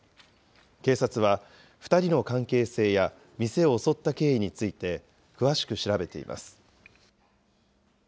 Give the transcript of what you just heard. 警察は２人の関係性や店を襲った経緯について、詳しく調べています。